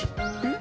ん？